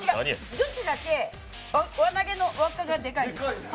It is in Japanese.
女子だけ輪投げの輪っかがでかい。